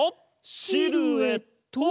シルエット！